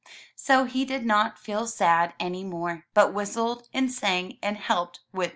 So he did not feel sad any more, but whistled and sang and helped with the packing.